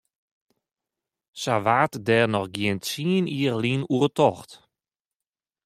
Sa waard dêr noch gjin tsien jier lyn oer tocht.